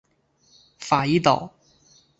法伊岛。